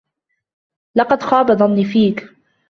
لقد خاب ظني فيك.